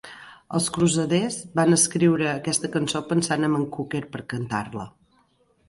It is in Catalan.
Els Crusaders van escriure aquesta cançó pensant amb en Cocker per cantar-la.